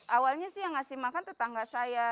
awalnya sih yang ngasih makan tetangga saya